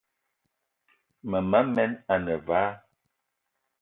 Mema men ane vala,